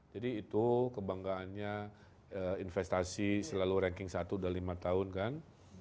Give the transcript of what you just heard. jadi itu kebanggaannya investasi selalu ranking satu udah lima tahun kan